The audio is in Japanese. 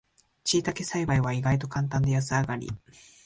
しいたけ栽培は意外とカンタンで安上がり